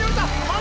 あ！